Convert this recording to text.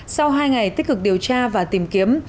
sau hai ngày tích cực điều tra và tìm kiếm